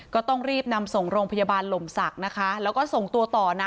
ก็ต้องรีบนำส่งโรงพยาบาลหล่มศักดิ์นะคะแล้วก็ส่งตัวต่อนะ